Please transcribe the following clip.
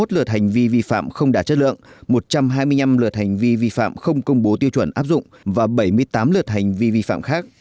hai mươi lượt hành vi vi phạm không đạt chất lượng một trăm hai mươi năm lượt hành vi vi phạm không công bố tiêu chuẩn áp dụng và bảy mươi tám lượt hành vi vi phạm khác